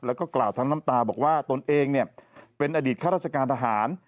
แล้วก็กล่าวทั้งน้ำตาบอกว่าตนเองเป็นอดีตข้าราชการทหาร